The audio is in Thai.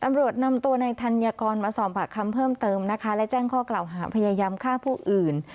ตำรวจนำตัวในธัญกรมาสอบปากคำเพิ่มเติมนะคะและแจ้งข้อกล่าวหาพยายามฆ่าผู้อื่น